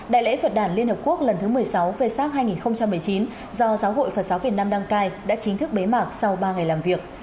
đại lễ phật đàn liên hợp quốc lần thứ một mươi sáu v sac hai nghìn một mươi chín do giáo hội phật giáo việt nam đăng cai đã chính thức bế mạc sau ba ngày làm việc